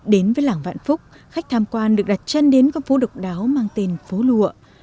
đến với làng vạn phúc khách tham quan được đặt chân đến con phố độc đáo mang tên phố lụa